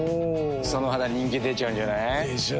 その肌人気出ちゃうんじゃない？でしょう。